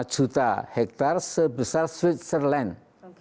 lima lima juta hektar sebesar switzerland